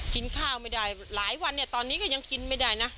กินข้าวไม่ได้หลายวันเนี่ยตอนนี้ก็ยังกินไม่ได้นะ